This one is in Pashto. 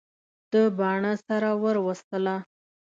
ده باڼه سره ور وستله.